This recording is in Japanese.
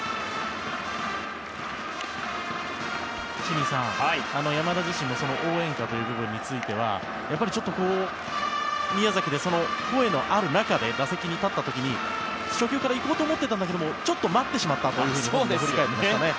清水さん、山田自身もその応援歌という部分についてはやっぱり、宮崎で声のある中で打席に立った時に、初球から行こうと思ってたんだけどもちょっと待ってしまったと振り返っていました。